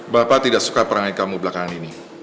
bapak tidak suka perangai kamu belakangan ini